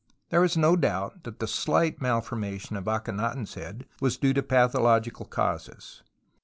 There is no doubt that the slight malforma tion of Akhenaton's head was due to patho logical causes.